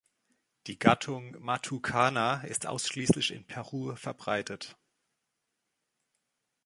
Die Gattung "Matucana" ist ausschließlich in Peru verbreitet.